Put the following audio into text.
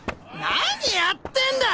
何やってんだ！